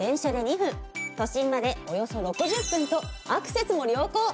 都心までおよそ６０分とアクセスも良好！